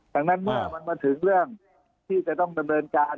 ดังนั้นเมื่อมันมาถึงเรื่องที่จะต้องดำเนินการ